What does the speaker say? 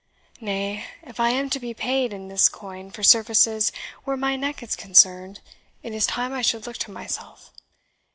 "Nay, if I am to be paid in this coin for services where my neck is concerned, it is time I should look to myself.